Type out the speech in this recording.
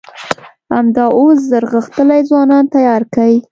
همدا اوس زر غښتلي ځوانان تيار کئ!